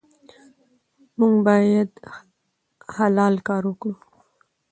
موږ باید حلال کار وکړو.